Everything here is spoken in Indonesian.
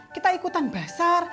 kita ikutan basah